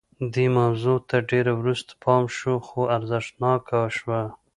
دې موضوع ته ډېر وروسته پام شو خو ارزښتناکه شوه